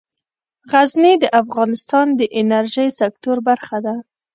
غزني د افغانستان د انرژۍ سکتور برخه ده.